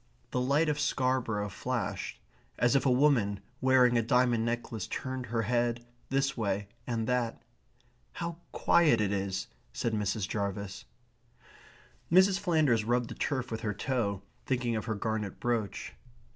The lights of Scarborough flashed, as if a woman wearing a diamond necklace turned her head this way and that. "How quiet it is!" said Mrs. Jarvis. Mrs. Flanders rubbed the turf with her toe, thinking of her garnet brooch.